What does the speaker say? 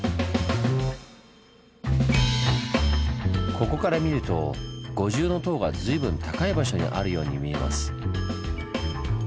ここから見ると五重塔が随分高い場所にあるように見えます。